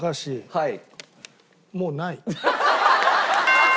はい。